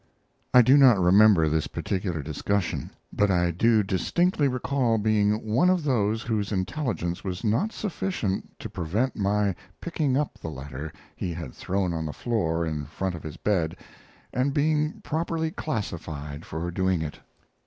I do not remember this particular discussion, but I do distinctly recall being one of those whose intelligence was not sufficient to prevent my picking up the letter he had thrown on the floor in front of his bed, and being properly classified for doing it.